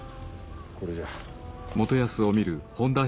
これじゃ。